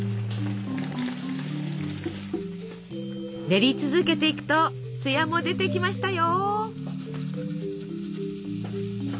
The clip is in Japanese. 練り続けていくとつやも出てきましたよ。